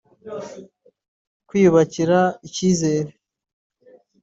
kwiyubakira ikizere